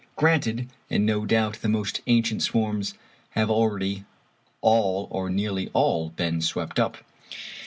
Granted; and no doubt the most ancient swarms have already all or nearly all been swept up.